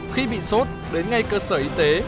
khi bị sốt đến ngay cơ sở y tế